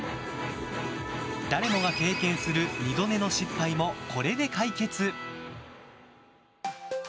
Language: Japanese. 誰もが経験する二度寝の失敗もこれで解決！